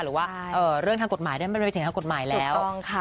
หรือว่าเรื่องทางกฎหมายมันไปถึงทางกฎหมายแล้ว